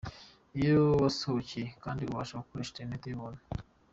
Iyo wahasohokeye kandi ubasha gukoresha interineti y'ubuntu.